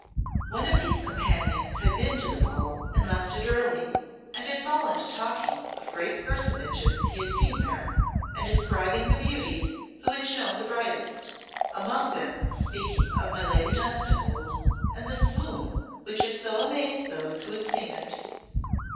One of these companions had been to the ball and left it early, and had fallen to talking of great personages he had seen there, and describing the beauties who had shone the brightest, among them speaking of my Lady Dunstanwolde and the swoon which had so amazed those who had seen it.